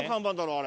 あれ。